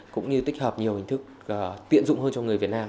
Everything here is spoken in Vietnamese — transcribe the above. cũng như tích hợp nhiều hình thức tiện dụng hơn cho người việt nam